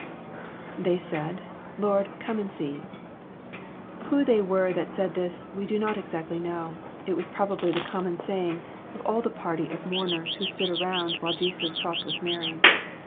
»" IThey said... Lord, come and see."] Who they were that said this, we do not exactly know. It was probably the common saying of all the party of mourners who stood around while Jesus talked with Mary.